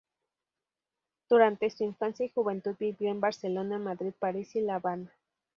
Durante su infancia y juventud vivió en Barcelona, Madrid, París y La Habana.